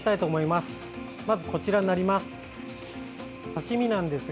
まず、こちらになります。